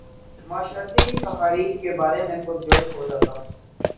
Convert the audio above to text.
معاشرتی تحاریک کے بارے میں پر جوش ہو جاتا ہوں